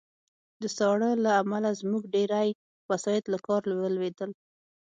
د ساړه له امله زموږ ډېری وسایط له کار ولوېدل